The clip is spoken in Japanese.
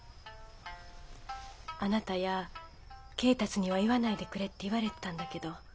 「あなたや恵達には言わないでくれ」って言われてたんだけど。